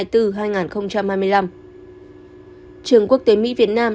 trường quốc tế mỹ việt nam